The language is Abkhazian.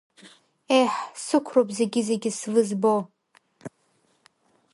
Еҳ, сықәроуп зегьы-зегьы звызбо.